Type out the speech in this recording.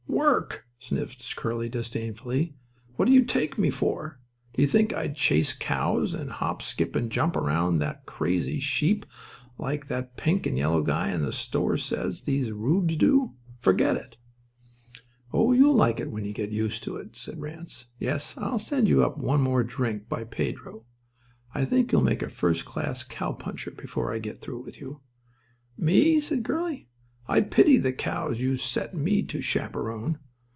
"Work!" sniffed Curly, disdainfully. "What do you take me for? Do you think I'd chase cows, and hop skip and jump around after crazy sheep like that pink and yellow guy at the store says these Reubs do? Forget it." "Oh, you'll like it when you get used to it," said Ranse. "Yes, I'll send you up one more drink by Pedro. I think you'll make a first class cowpuncher before I get through with you." "Me?" said Curly. "I pity the cows you set me to chaperon.